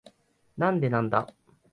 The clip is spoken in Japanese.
なんでなんだ？